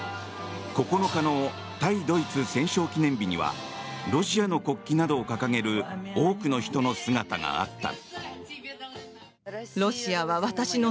９日の対ドイツ戦勝記念日にはロシアの国旗などを掲げる多くの人の姿があった。